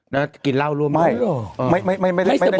แล้วก็จะกินเหล้าร่วมด้วยหรอไม่ไม่ไม่ไม่ไม่ไม่ไม่ไม่ไม่